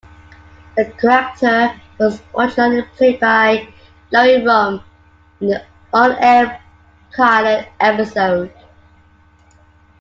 The character was originally played by Lori Rom in the unaired pilot episode.